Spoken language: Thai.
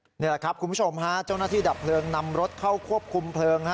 นี่แหละครับคุณผู้ชมฮะเจ้าหน้าที่ดับเพลิงนำรถเข้าควบคุมเพลิง